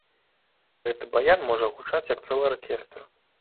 Гэты баян можа гучаць як цэлы аркестр.